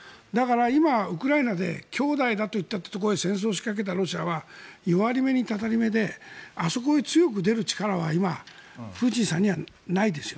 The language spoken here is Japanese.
今、ウクライナで兄弟だと言ったところに戦争を仕掛けたロシアは弱り目にたたり目であそこに強く出る力はプーチンさんにはないです。